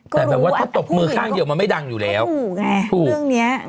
แต่แบบว่าถ้าตบมือข้างเดียวมันไม่ดังอยู่แล้วถูกไงถูกเรื่องเนี้ย